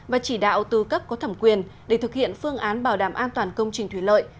và chỉ đạo tư cấp có thẩm quyền để thực hiện phương án bảo đảm an toàn công trình thủy lợi